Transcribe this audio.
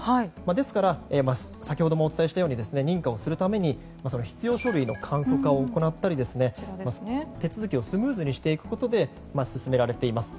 ですから先ほどもお伝えしたように認可をするために必要書類の簡素化を行ったり手続きをスムーズにしていくことで進められています。